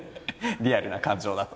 リアルな感情だと。